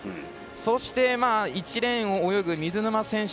そして、１レーンを泳ぐ水沼選手